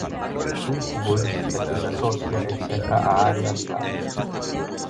Un futbolista que se asocia e chega á area rival.